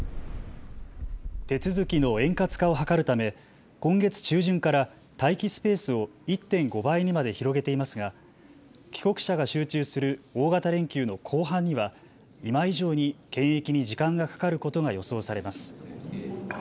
手続きの円滑化を図るため今月中旬から待機スペースを１．５倍にまで広げていますが帰国者が集中する大型連休の後半には今以上に検疫に時間がかかることが予想されます。